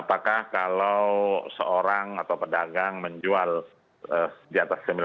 apakah kalau seorang atau pedagang menjualnya itu berbeda